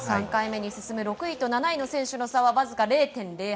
３回目に進む６位と７位の選手は僅か０．０８